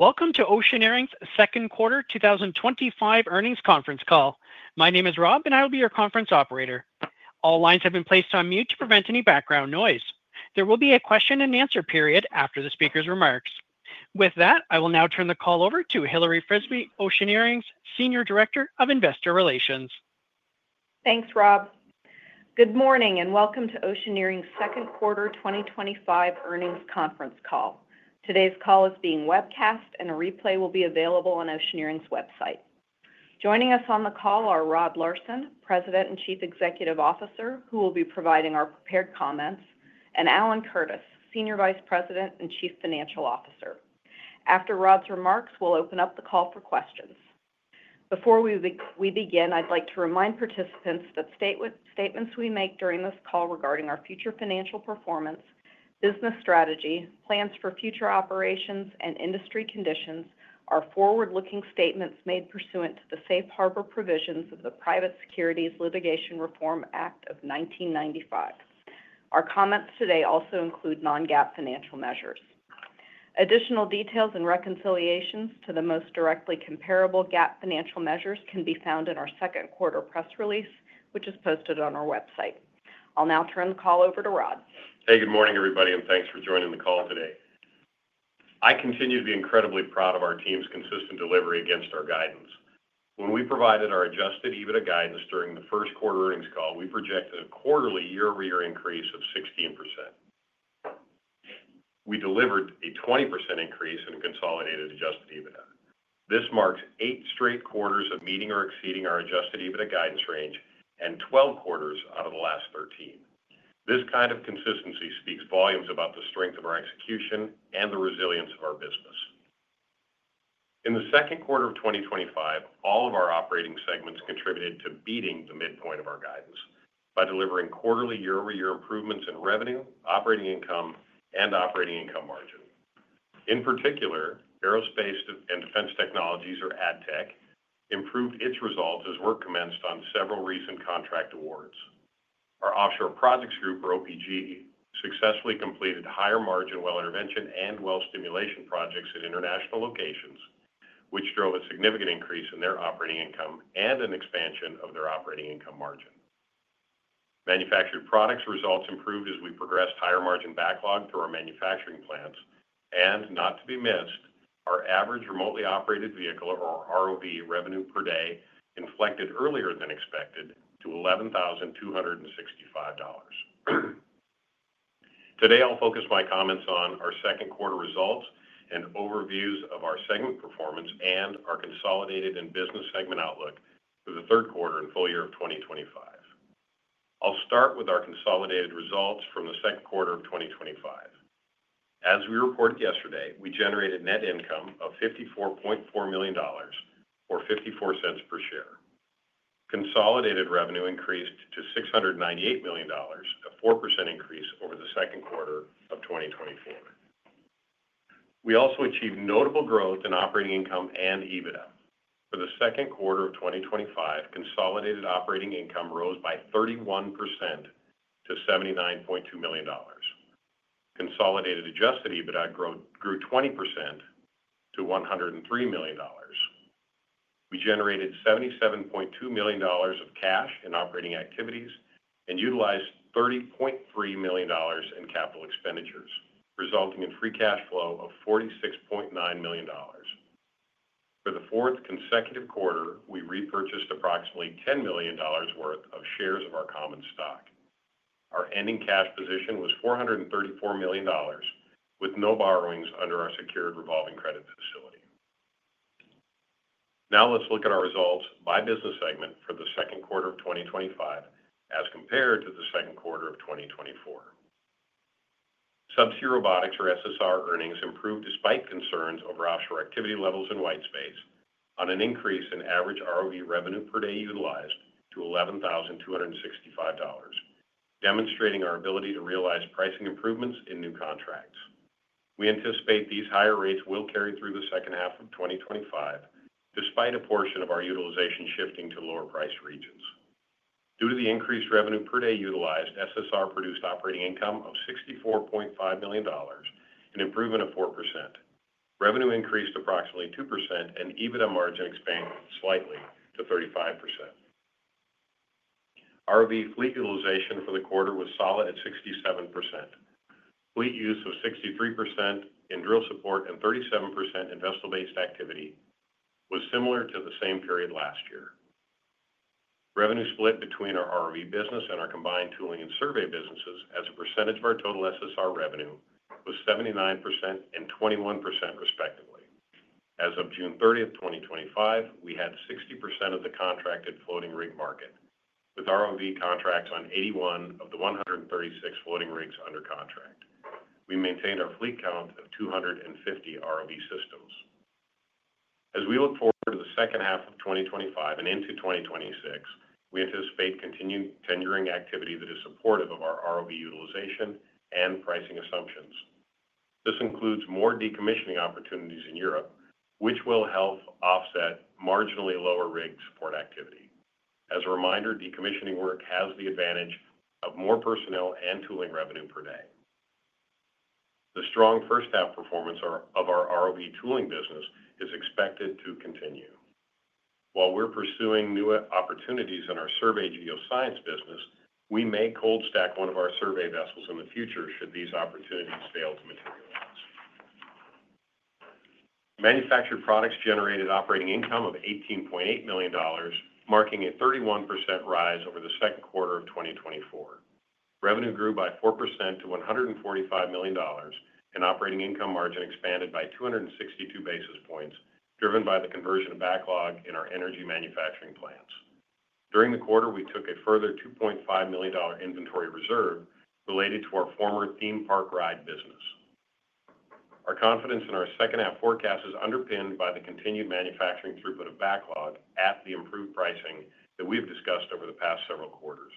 Welcome to Oceaneering's Second Quarter twenty twenty five Earnings Conference Call. My name is Rob, and I will be your conference operator. All lines have been placed on mute to prevent any background noise. There will be a question and answer period after the speakers' remarks. With that, I will now turn the call over to Hilary Frisbee, Oceaneering's Senior Director of Investor Relations. Thanks, Rob. Good morning, and welcome to Oceaneering's second quarter twenty twenty five earnings conference call. Today's call is being webcast and a replay will be available on Oceaneering's website. Joining us on the call are Rod Larson, President and Chief Executive Officer, who will be providing our prepared comments and Alan Curtis, Senior Vice President and Chief Financial Officer. After Rod's remarks, we'll open up the call for questions. Before we begin, I'd like to remind participants that statements we make during this call regarding our future financial performance, business strategy, plans for future operations and industry conditions are forward looking statements made pursuant to the Safe Harbor provisions of the Private Securities Litigation Reform Act of 1995. Our comments today also include non GAAP financial measures. Additional details and reconciliations to the most directly comparable GAAP financial measures can be found in our second quarter press release, which is posted on our website. I'll now turn the call over to Rod. Hey, good morning, and thanks for joining the call today. I continue to be incredibly proud of our team's consistent delivery against our guidance. When we provided our adjusted EBITDA guidance during the first quarter earnings call, we projected a quarterly year over year increase of 16%. We delivered a 20% increase in consolidated adjusted EBITDA. This marks eight straight quarters of meeting or exceeding our adjusted EBITDA guidance range and 12 quarters out of the last 13. This kind of consistency speaks volumes about the strength of our execution and the resilience of our business. In the second quarter of twenty twenty five, all of our operating segments contributed to beating the midpoint of our guidance by delivering quarterly year over year improvements in revenue, operating income and operating income margin. In particular, Aerospace and Defense Technologies or AdTech improved its results as work commenced on several recent contract awards. Our Offshore Projects Group or OPG successfully completed higher margin well intervention and well stimulation projects at international locations, which drove a significant increase in their operating income and an expansion of their operating income margin. Manufactured Products results improved as we progressed higher margin backlog through our manufacturing plants. And not to be missed, our average remotely operated vehicle or ROV revenue per day inflected earlier than expected to $11,065 Today, I'll focus my comments on our second quarter results and overviews of our segment performance and our consolidated and business segment outlook for the third quarter and full year of 2025. I'll start with our consolidated results from the second quarter of twenty twenty five. As we reported yesterday, we generated net income of $54,400,000 or $0.54 per share. Consolidated revenue increased to $698,000,000 a 4% increase over the second quarter of twenty twenty four. We also achieved notable growth in operating income and EBITDA. For the second quarter of twenty twenty five, consolidated operating income rose by 31% to $79,200,000 Consolidated adjusted EBITDA grew 20% to $103,000,000 We generated $77,200,000 of cash in operating activities and utilized $30,300,000 in capital expenditures, resulting in free cash flow of $46,900,000 For the fourth consecutive quarter, we repurchased approximately $10,000,000 worth of shares of our common stock. Our ending cash position was $434,000,000 with no borrowings under our secured revolving credit facility. Now let's look at our results by business segment for the 2025 as compared to the second quarter of twenty twenty four. Subsea Robotics or SSR earnings improved despite concerns over offshore activity levels in white space on an increase in average ROV revenue per day utilized to $11,265 demonstrating our ability to realize pricing improvements in new contracts. We anticipate these higher rates will carry through the 2025 despite a portion of our utilization shifting to lower price regions. Due to the increased revenue per day utilized, SSR produced operating income of $64,500,000 an improvement of 4%. Revenue increased approximately 2% and EBITDA margin expanded slightly to 35. ROV fleet utilization for the quarter was solid at 67%. Fleet use was 63% in drill support and 37% in vessel based activity was similar to the same period last year. Revenue split between our ROV business and our combined tooling and survey businesses as a percentage of our total SSR revenue was 7921% respectively. As of 06/30/2025, we had 60% of the contracted floating rig market with ROV contracts on 81 of the 136 floating rigs under contract. We maintained our fleet count of two fifty ROV systems. As we look forward to the 2025 and into 2026, we anticipate continued tendering activity that is supportive of our ROV utilization and pricing assumptions. This includes more decommissioning opportunities in Europe, which will help offset marginally lower rig support activity. As a reminder, decommissioning work has the advantage of more personnel and tooling revenue per day. The strong first half performance of our ROV tooling business is expected to continue. While we're pursuing new opportunities in our survey geoscience business, we may cold stack one of our survey vessels in the future should these opportunities fail to materialize. Manufactured products generated operating income of $18,800,000 marking a 31% rise over the second quarter of twenty twenty four. Revenue grew by 4% to 145,000,000 and operating income margin expanded by two sixty two basis points, driven by the conversion of backlog in our energy manufacturing plants. During the quarter, we took a further $2,500,000 inventory reserve related to our former theme park ride business. Our confidence in our second half forecast is underpinned by the continued manufacturing throughput of backlog at the improved pricing that we've discussed over the past several quarters.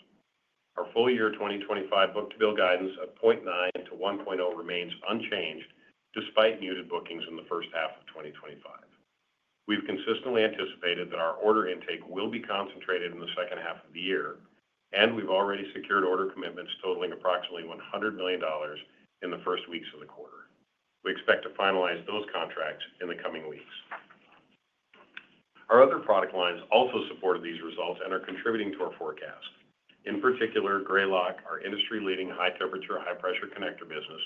Our full year 2025 book to bill guidance of 0.9 to one point zero remains unchanged despite muted bookings in the first half of twenty twenty five. We've consistently anticipated that our order intake will be concentrated in the second half of the year, and we've already secured order commitments totaling approximately $100,000,000 in the first weeks of the quarter. We expect to finalize those contracts in the coming weeks. Our other product lines also supported these results and are contributing to our forecast. In particular, Greylock, our industry leading high temperature, high pressure connector business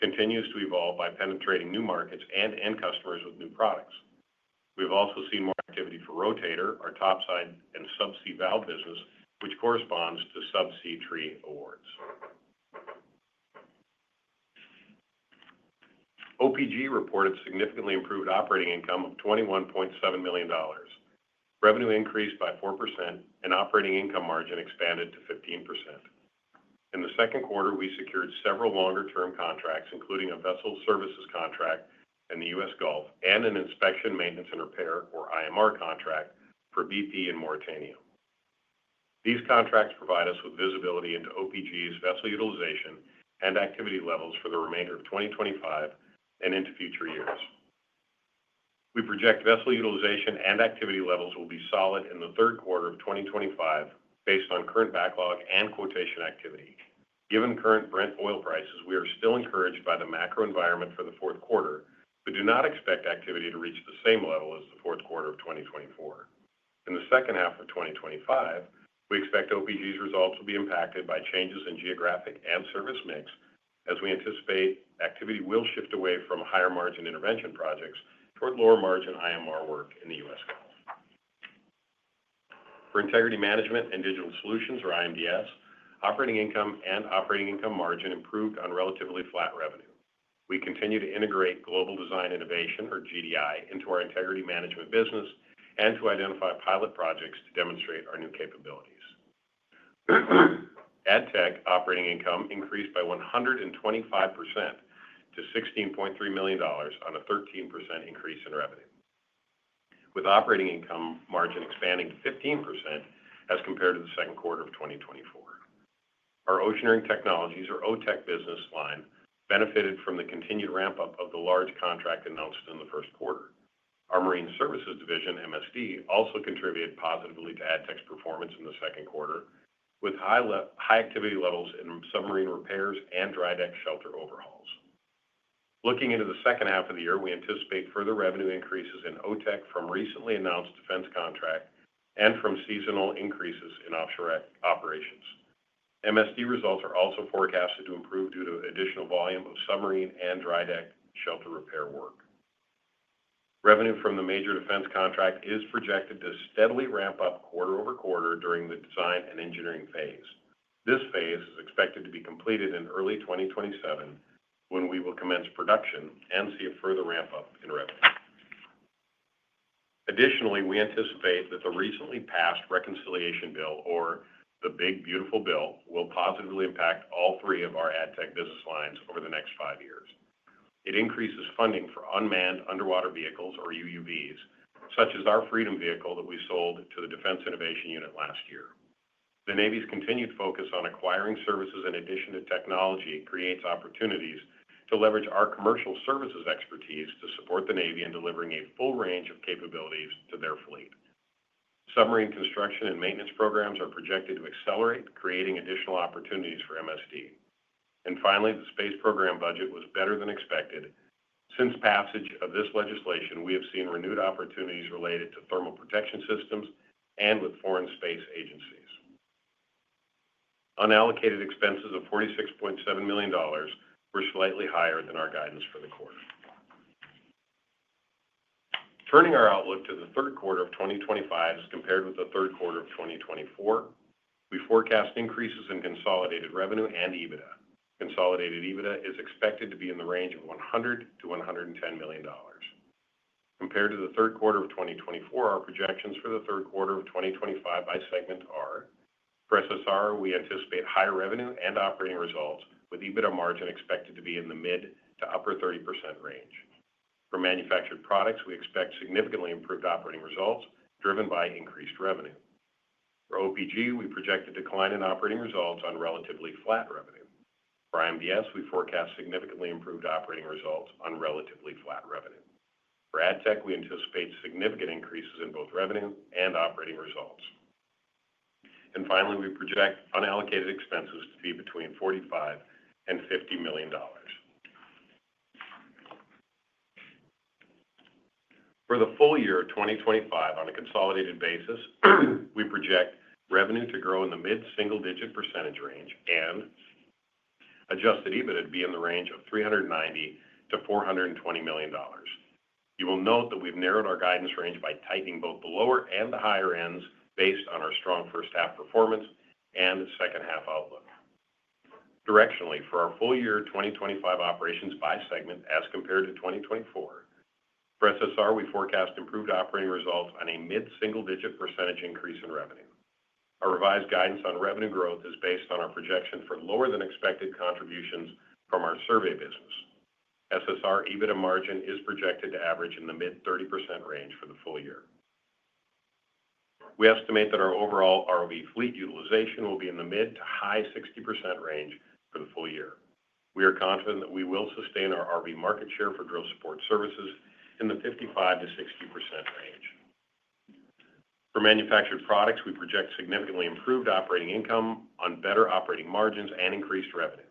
continues to evolve by penetrating new markets and end customers with new products. We've also seen more activity for Rotator, our topside and subsea valve business, which corresponds to subsea tree awards. OPG reported significantly improved operating income of $21,700,000 Revenue increased by 4% and operating income margin expanded to 15%. In the second quarter, we secured several longer term contracts including a vessel services contract in The U. S. Gulf and an inspection maintenance and repair or IMR contract for BP and Mauritania. These contracts provide us with visibility into OPG's vessel utilization and activity levels for the remainder of 2025 and into future years. We project vessel utilization and activity levels will be solid in the 2025 based on current backlog and quotation activity. Given current Brent oil prices, are still encouraged by the macro environment for the fourth quarter, but do not expect activity to reach the same level as the fourth quarter of twenty twenty four. In the second half of twenty twenty five, we expect OPG's results will be impacted by changes in geographic and service mix as we anticipate activity will shift away from higher margin intervention projects toward lower margin IMR work in The U. S. Gulf. For Integrity Management and Digital Solutions, or IMDS, operating income and operating income margin improved on relatively flat revenue. We continue to integrate Global Design Innovation, or GDI, into our Integrity Management business and to identify pilot projects to demonstrate our new capabilities. AdTech operating income increased by 125 percent to $16,300,000 on a 13% increase in revenue. With operating income margin expanding to 15% as compared to the second quarter of twenty twenty four. Our Oceaneering Technologies or OTEC business line benefited from the continued ramp up of the large contract announced in the first quarter. Our Marine Services division, MSD, also contributed positively to AdTech's performance in the second quarter with high activity levels in submarine repairs and dry deck shelter overhauls. Looking into the second half of the year, we anticipate further revenue increases in OTEC from recently announced defense contract and from seasonal increases in offshore operations. MSD results are also forecasted to improve due to additional volume of submarine and dry deck shelter repair work. Revenue from the major defense contract is projected to steadily ramp up quarter over quarter during the design and engineering phase. This phase is expected to be completed in early twenty twenty seven when we will commence production and see a further ramp up in revenue. Additionally, we anticipate that the recently passed reconciliation bill or the Big Beautiful Bill will positively impact all three of our AdTech business lines over the next five years. It increases funding for unmanned underwater vehicles or UUVs, such as our Freedom vehicle that we sold to the Defense Innovation Unit last year. The Navy's continued focus on acquiring services in addition to technology creates opportunities to leverage our commercial services expertise to support the Navy in delivering a full range of capabilities to their fleet. Submarine construction and maintenance programs are projected to accelerate, creating additional opportunities for MSD. And finally, the space program budget was better than expected. Since passage of this legislation, we have opportunities related to thermal protection systems and with foreign space agencies. Unallocated expenses of $46,700,000 were slightly higher than our guidance for the quarter. Turning our outlook to the 2025 as compared with the third quarter of twenty twenty four. We forecast increases in consolidated revenue and EBITDA. Consolidated EBITDA is expected to be in the range of 100,000,000 to $110,000,000 Compared to the third quarter of twenty twenty four, our projections for the 2025 by segment are: For SSR, we anticipate higher revenue and operating results with EBITDA margin expected to be in the mid to upper 30% range. For manufactured products, we expect significantly improved operating results driven by increased revenue. For OPG, we project a decline in operating results on relatively flat revenue. For IMDS, we forecast significantly improved operating results on relatively flat revenue. For AdTech, we anticipate significant increases in both revenue and operating results. And finally, we project unallocated expenses to be between $45,000,000 and $50,000,000 For the full year 2025 on a consolidated basis, we project revenue to grow in the mid single digit percentage range and adjusted EBITDA to be in the range of $390,000,000 to $420,000,000 You will note that we've narrowed our guidance range by tightening both the lower and the higher ends based on our strong first half performance and the second half outlook. Directionally, for our full year 2025 operations by segment as compared to 2024, for SSR we forecast improved operating results on a mid single digit percentage increase in revenue. Our revised guidance on revenue growth is based on our projection for lower than expected contributions from our survey business. SSR EBITDA margin is projected to average in the mid-thirty percent range for the full year. We estimate that our overall ROV fleet utilization will be in the mid- to high-sixty percent range for the full year. We are confident that we will sustain our RV market share for drill support services in the 55% to 60% range. For manufactured products, we project significantly improved operating income on better operating margins and increased revenue.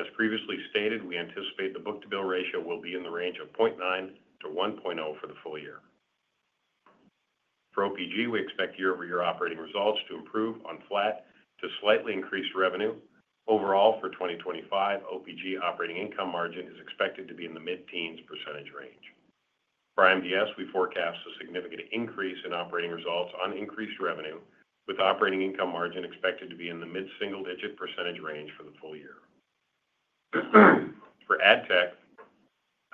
As previously stated, we anticipate the book to bill ratio will be in the range of 0.9 to one point zero for the full year. For OPG, we expect year over year operating results to improve on flat to slightly increased revenue. Overall for 2025, OPG operating income margin is expected to be in the mid teens percentage range. For MDS, we forecast a significant increase in operating results on increased revenue with operating income margin expected to be in the mid single digit percentage range for the full year. For AdTech,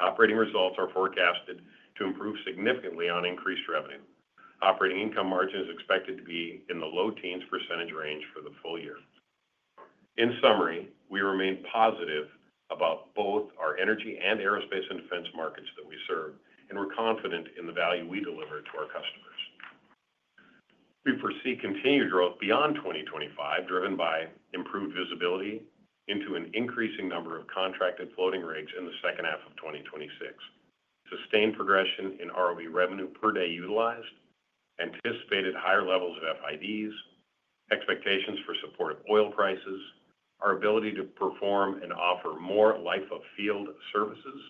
operating results are forecasted to improve significantly on increased revenue. Operating income margin is expected to be in the low teens percentage range for the full year. In summary, we remain positive about both our energy and aerospace and defense markets that we serve, and we're confident in the value we deliver to our customers. We foresee continued growth beyond 2025, driven by improved visibility into an increasing number of contracted floating rates in the second half of twenty twenty six, sustained progression in ROE revenue per day utilized, anticipated higher levels of FIDs, expectations for support of oil prices, our ability to perform and offer more life of field services,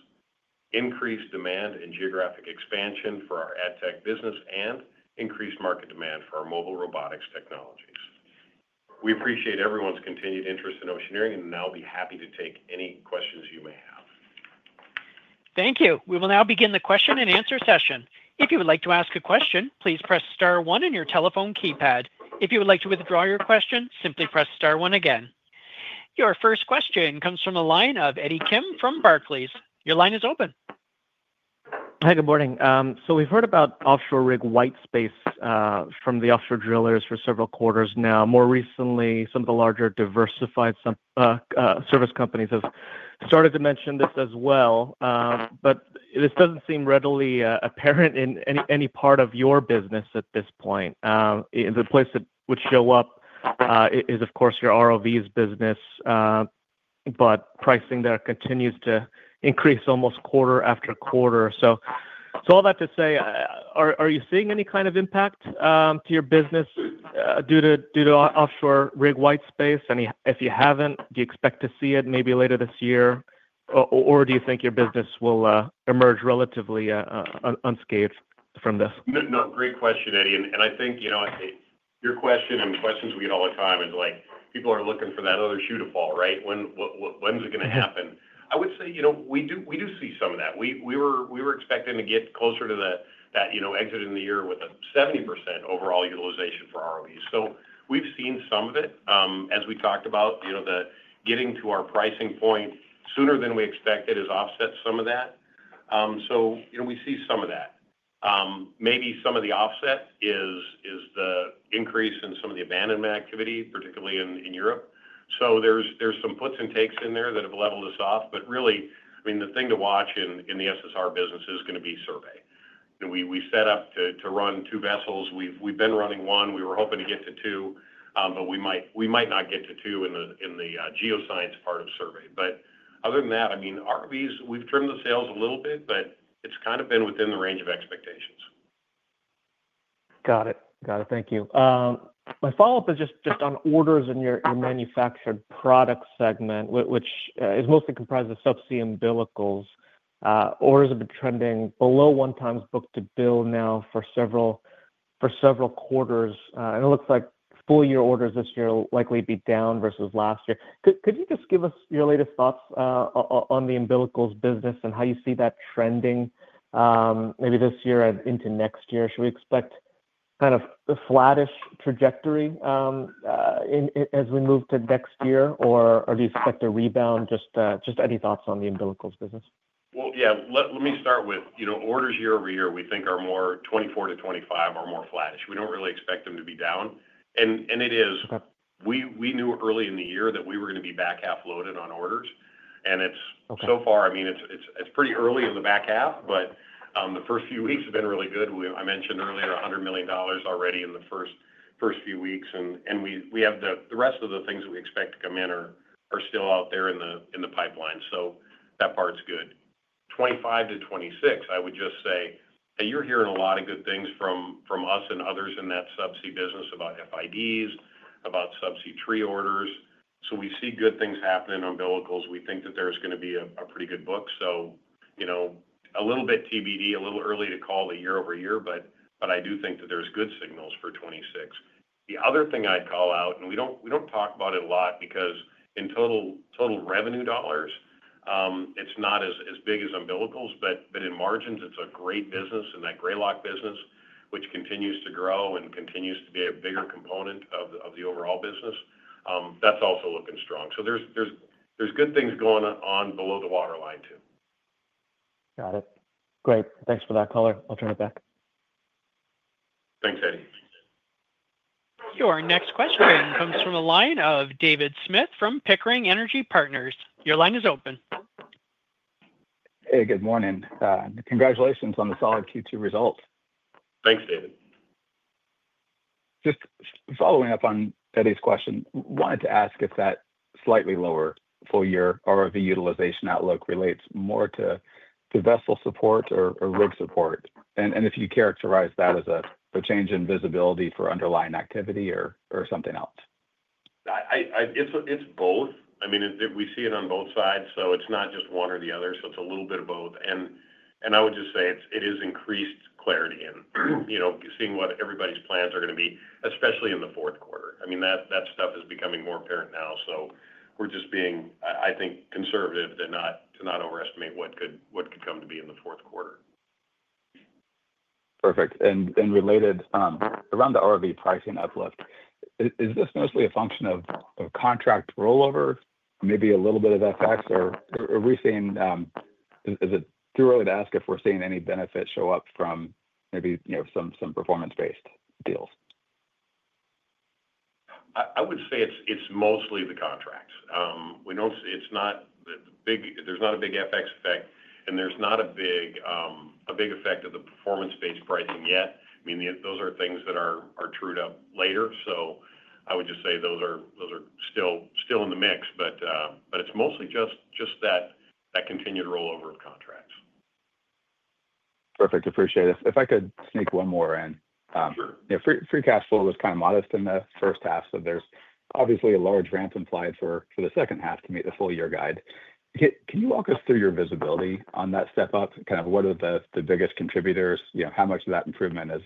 increased demand and geographic expansion for our ad tech business and increased market demand for our mobile robotics technologies. We appreciate everyone's continued interest in Oceaneering and now be happy to take any questions you may have. Thank you. We will now begin the question and answer session. Your first question comes from the line of Eddie Kim from Barclays. Your line is open. Hi, good morning. So we've heard about offshore rig white space from the offshore drillers for several quarters now. More recently, some of the larger diversified service companies have started to mention this as well. But this doesn't seem readily apparent in any part of your business at this point. The place that would show up is, of course, your ROVs business, but pricing there continues to increase almost quarter after quarter. So all that to say, are you seeing any kind of impact to your business due to offshore rig white space? I mean if you haven't, do you expect to see it maybe later this year? Or do you think your business will emerge relatively unscathed from this? Not a great question, Eddie. And I think your question and questions we get all the time is like people are looking for that other shoe to fall, right? When is it going to happen? I would say we do see some of that. We were expecting to get closer to that, you know, exiting the year with a 70% overall utilization for ROE. So we've seen some of it. As we talked about, you know, the getting to our pricing point sooner than we expected has offset some of that. So, you know, we see some of that. Maybe some of the offset is is the increase in some of the abandonment activity, particularly in in Europe. So there's there's some puts and takes in there that have leveled us off. But really, I mean, the thing to watch in in the SSR business is going to be survey. And we set up to run two vessels. We've been running one. We were hoping to get to two, but we might not get to two in the geoscience part of survey. But other than that, I mean, RVs, we've trimmed the sales a little bit, but it's kind of been within the range of expectations. Got it. Got it. Thank you. My follow-up is just on orders in your manufactured product segment, which is mostly comprised of subsea umbilicals. Orders have been trending below one times book to bill now for several quarters. And it looks like full year orders this year will likely be down versus last year. Could you just give us your latest thoughts, on the umbilicals business and how you see that trending, maybe this year and into next year? Should we expect kind of the flattish trajectory as we move to next year? Or do you expect a rebound? Just any thoughts on the umbilicals business. Well, yes. Let me start with orders year over year, we think are more 24% to 25% are more flattish. We don't really expect them to be down. And and it is we we knew early in the year that we were gonna be back half loaded on orders. And it's Okay. So far, I mean, it's it's it's pretty early in the back half, but, the first few weeks have been really good. We I mentioned earlier, $100,000,000 already in the first first few weeks, and and we we have the the rest of the things we expect to come in are are still out there in the in the pipeline. So that part's good. '25 to 26, I would just say, that you're hearing a lot of good things from from us and others in that subsea business about FIDs, about subsea tree orders. So we see good things happening in umbilicals. We think that there's gonna be a a pretty good book. So, you know, a little bit TBD, a little early to call it year over year, but but I do think that there's good signals for 26. The other thing I'd call out, and we don't talk about it a lot because in total revenue dollars, it's not as big as umbilicals. But in margins, it's a great business. And that Greylock business, which continues to grow and continues to be a bigger component of the overall business, that's also looking strong. So there's good things going on below the waterline too. Got it. Great. Thanks for that color. I'll turn it back. Thanks, Eddie. Your next question comes from the line of David Smith from Pickering Energy Partners. Your line is open. Hey, good morning. Congratulations on the solid Q2 results. Thanks, David. Just following up on Eddie's question, wanted to ask if that slightly lower full year ROV utilization outlook relates more to the vessel support or rig support. And if you characterize that as a change in visibility for underlying activity or something else? It's both. I mean, we see it on both sides. So it's not just one or the other. So it's a little bit of both. And I would just say it's it is increased clarity in, you know, seeing what everybody's plans are gonna be, especially in the fourth quarter. I mean, that that stuff is becoming more apparent now. So we're just being, I I think, conservative to not to not overestimate what could what could come to be in the fourth quarter. Perfect. And and related, around the RV pricing uplift, is this mostly a function of of contract rollover? Maybe a little bit of FX or are we seeing, is it too early to ask if we're seeing any benefit show up from maybe some performance based deals? I would say it's mostly the contracts. We don't see it's not big there's not a big FX effect and there's not a big, a big effect of the performance based pricing yet. I mean, those are things that are are trued up later. So I would just say those are those are still still in the mix, but, but it's mostly just just that that continued rollover of contracts. Perfect. Appreciate it. If I could sneak one more in. Sure. Free cash flow was kind of modest in the first half, so there's obviously a large ramp implied for the second half to meet the full year guide. Can you walk us through your visibility on that step up? Kind of what are the the biggest contributors? You know, how much of that improvement is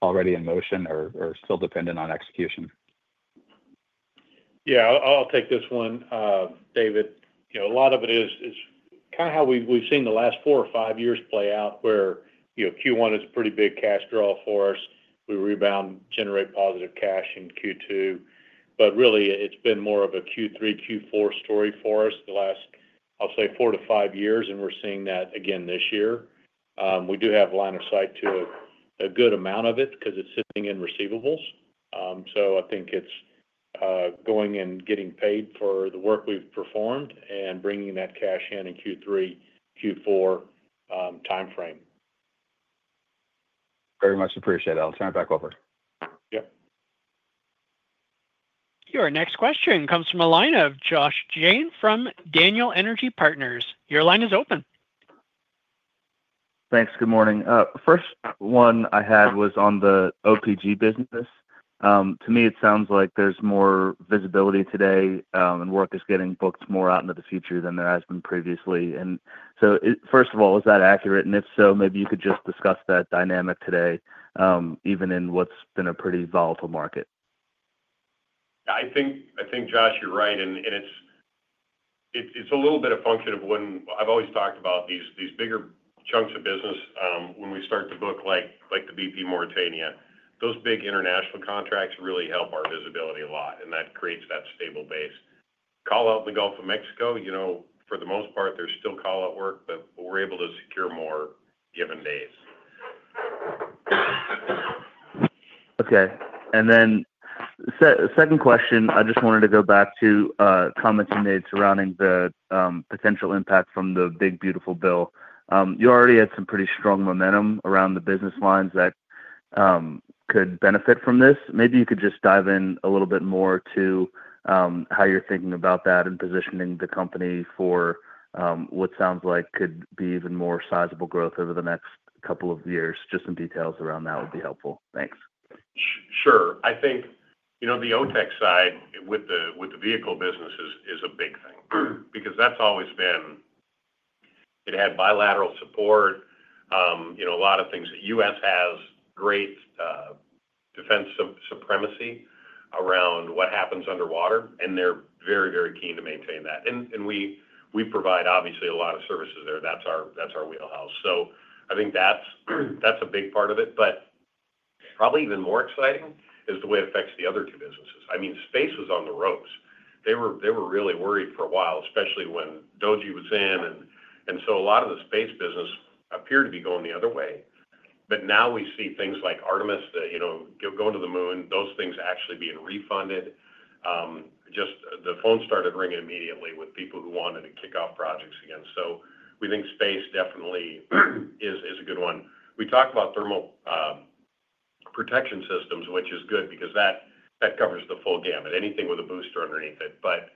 already in motion or or still dependent on execution? Yeah. I'll I'll take this one, David. A lot of it is is kinda how we've we've seen the last four or five years play out where, you know, q one is pretty big cash draw for us. We rebound, generate positive cash in q two. But really, it's been more of a q three, q four story for us the last, I'll say, four to five years, and we're seeing that again this year. We do have line of sight to a good amount of it because it's sitting in receivables. So I think it's, going and getting paid for the work we've performed and bringing that cash in in q three, q four, time frame. Very much appreciate that. I'll turn it back over. Yep. Your next question comes from the line of Josh Jain from Daniel Energy Partners. Your line is open. Thanks. Good morning. First one I had was on the OPG business. To me, it sounds like there's more visibility today and work is getting booked more out into the future than there has been previously. And so first of all, is that accurate? And if so, maybe you could just discuss that dynamic today even in what's been a pretty volatile market. I think, Josh, you're right. And it's it's a little bit of function of when I've always talked about these these bigger chunks of business, when we start to book like like the BP Mauritania. Those big international contracts really help our visibility a lot, and that creates that stable base. Call out the Gulf Of Mexico, you know, for the most part, there's still call out work, but we're able to secure more given days. Okay. And then second question, I just wanted to go back to comments you made surrounding the potential impact from the big beautiful bill. You already had some pretty strong momentum around the business lines that could benefit from this. Maybe you could just dive in a little bit more to how you're thinking about that and positioning the company for what sounds like could be even more sizable growth over the next couple of years. Just some details around that would be helpful. Thanks. Sure. I think the OTEC side with vehicle business is a big thing because that's always been it had bilateral support, a lot of things that U. S. Has great defense supremacy around what happens underwater, and they're very, very keen to maintain that. And and we we provide, obviously, a lot of services there. That's our that's our wheelhouse. So I think that's that's a big part of it. But probably even more exciting is the way it affects the other two businesses. I mean, space is on the ropes. They were they were really worried for a while, especially when Doji was in. And and so a lot of the space business appear to be going the other way. But now we see things like Artemis that, you know, go to the moon. Those things actually being refunded. The phone started ringing immediately with people who wanted to kick off projects again. So we think space definitely is is a good one. We talked about thermal protection systems, which is good because that that covers the full gamut. Anything with a booster underneath it. But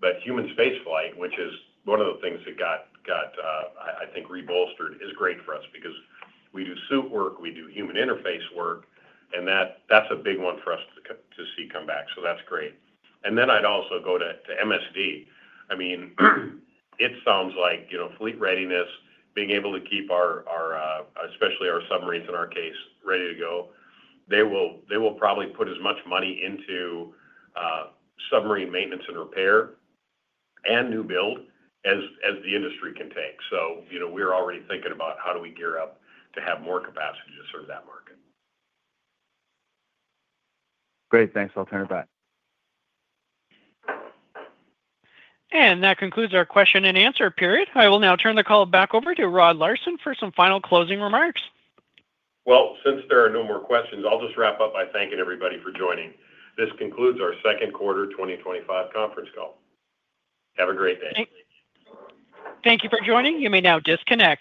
but human spaceflight, which is one of the things that got got, I I think, rebolstered is great for us because we do suit work, we do human interface work, and that that's a big one for us to to see come back. So that's great. And then I'd also go to to MSD. I mean, it sounds like, you know, fleet readiness, being able to keep our our, especially our submarines in our case ready to go. They will they will probably put as much money into, submarine maintenance and repair and new build as the industry can take. So we're already thinking about how do we gear up to have more capacity to serve that market. Great. Thanks. I'll turn it back. And that concludes our question and answer period. I will now turn the call back over to Rod Larson for some final closing remarks. Well, since there are no more questions, I'll just wrap up by thanking everybody for joining. This concludes our second quarter twenty twenty five conference call. Have a great day. Thank you for joining. You may now disconnect.